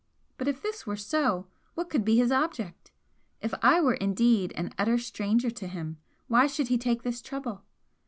But if this were so, what could be his object? If I were indeed an utter stranger to him, why should he take this trouble?